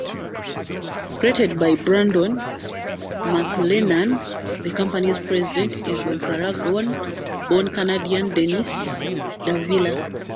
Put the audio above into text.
Created by Brandon Mclennan, the company President is Nicaraguan-born Canadian Denis Davila.